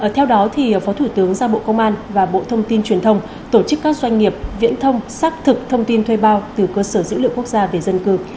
theo đó phó thủ tướng ra bộ công an và bộ thông tin truyền thông tổ chức các doanh nghiệp viễn thông xác thực thông tin thuê bao từ cơ sở dữ liệu quốc gia về dân cư